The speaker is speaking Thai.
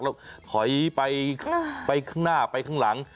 แล้วถอยไปข้างหน้าไปข้างหลัง